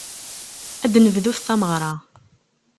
Ad d-nebdut tameɣra.